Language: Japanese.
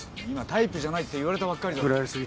今タイプじゃないって言われたばっかりだろ。